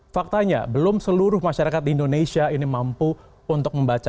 faktanya belum seluruh masyarakat di indonesia ini mampu untuk membaca